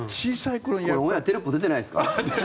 これ、オンエアテロップ出てないですか？